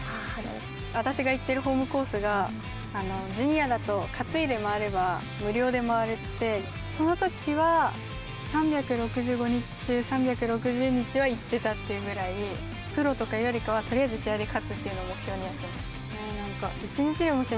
私が行っているホームコースが、ジュニアだと担いで回れば無料で回れて、そのときは、３６５日中３６０日は行ってたっていうぐらい、プロとかよりかは、とりあえず試合に勝つというのを目標にやってました。